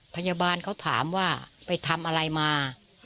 พยาบาลเขาถามว่าไปทำอะไรมา